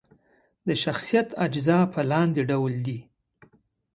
د شخصیت اجزا په لاندې ډول دي: